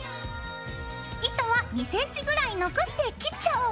糸は２ｃｍぐらい残して切っちゃおう！